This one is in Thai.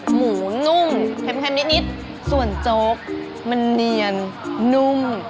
หมูนุ่มเค็มนิดส่วนโจ๊กมันเนียนนุ่ม